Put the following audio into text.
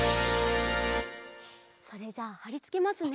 それじゃあはりつけますね。